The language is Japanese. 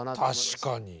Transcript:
確かに。